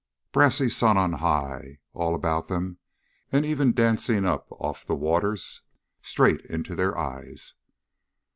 Brassy sun on high, all about them, and even dancing up off the waters straight into their eyes.